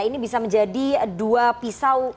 ini bisa menjadi dua pisau